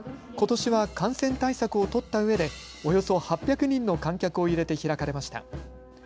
ことしは感染対策を取ったうえでおよそ８００人の観客を入れて開かれました。